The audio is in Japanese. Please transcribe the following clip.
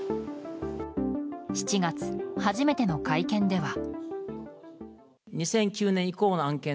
７月、初めての会見では。